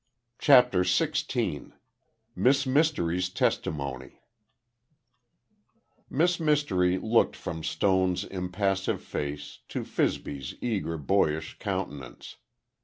CHAPTER XVI MISS MYSTERY'S TESTIMONY Miss Mystery looked from Stone's impassive face to Fibsy's eager boyish countenance.